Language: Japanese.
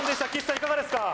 いかがですか？